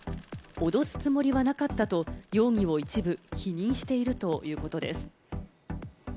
脅すつもりはなかったと容疑を一部否認しているということです。